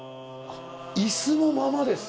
椅子もままです！